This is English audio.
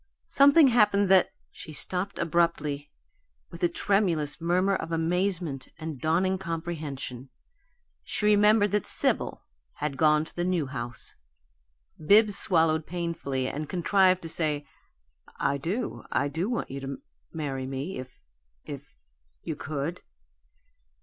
Something happened that " She stopped abruptly, with a tremulous murmur of amazement and dawning comprehension. She remembered that Sibyl had gone to the New House. Bibbs swallowed painfully and contrived to say, "I do I do want you to marry me, if if you could."